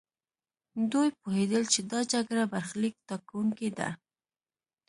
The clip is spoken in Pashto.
دوی پوهېدل چې دا جګړه برخليک ټاکونکې ده.